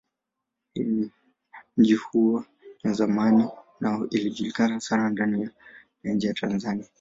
Mji huo ni wa zamani na ilijulikana sana ndani na nje ya Tanzania.